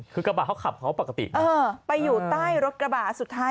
คือกระบะเขาขับเขาปกติเออไปอยู่ใต้รถกระบะสุดท้าย